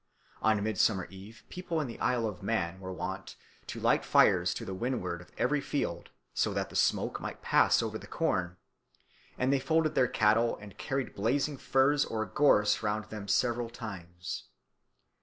On Midsummer Eve people in the Isle of Man were wont to light fires to the windward of every field, so that the smoke might pass over the corn; and they folded their cattle and carried blazing furze or gorse round them several times.